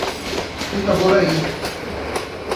Itaboraí